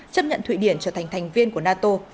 chấp nhận thụy điển trở thành thành viên của nato